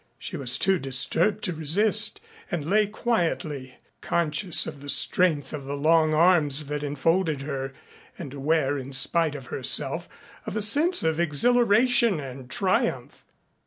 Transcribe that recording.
She was too disturbed to resist, and lay quietly, conscious of the strength of the long arms that enfolded her and aware in spite of herself of a sense of exhilaration and triumph.